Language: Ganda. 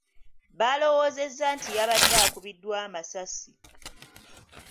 Baalowoozezza nti yabadde akubiddwa amasasi.